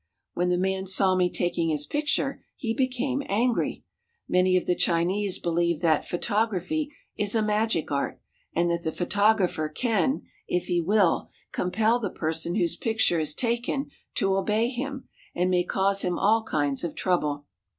When the man saw me taking his picture, he became angry. Many of the Chinese believe that photography is a magic art, and that the photographer can, if he will, compel the per son whose picture is taken to obey him, and may cause him all kinds of trouble.